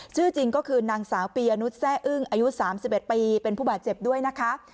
ชื่อจริงก็คือนางสาวปียนุษยแซ่อึ้งอายุ๓๑ปีเป็นผู้บาดเจ็บด้วยนะคะ